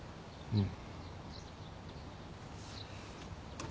うん？